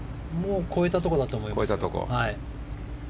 越えたところだと思います。